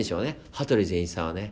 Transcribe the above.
羽鳥善一さんはね。